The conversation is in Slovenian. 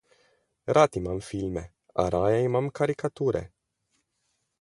Rad imam filme, a raje imam karikature.